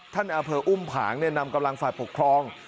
อำเภออุ้มผางนำกำลังฝ่ายปกครอง